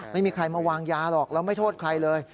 ไม่มีใครมาวางยาหรอกแล้วไม่โทษใครเลย